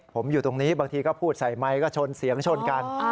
ผมอยู่ตรงนี้บางทีก็พูดใส่ไมค์ก็ชนเสียงชนกัน